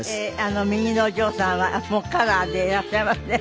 右のお嬢さんはもうカラーでいらっしゃいますね。